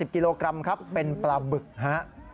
กิโลกรัมครับเป็นปลาบึกฮะ